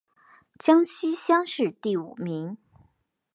江西乡试第五名。